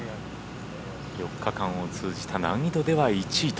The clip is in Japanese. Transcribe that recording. ４日間を通じた難易度では１位と。